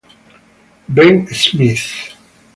Ben Smith